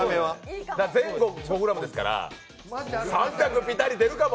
前後５ｇですから、３００ピタリ出るかも。